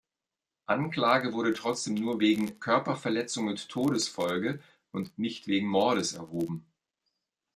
Anklage wurde trotzdem nur wegen „Körperverletzung mit Todesfolge“ und nicht wegen Mordes erhoben.